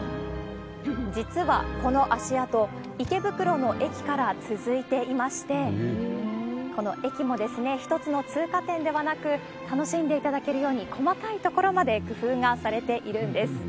実はこの足跡、池袋の駅から続いていまして、この駅も、一つの通過点ではなく、楽しんでいただけるように、細かいところまで工夫がされているんです。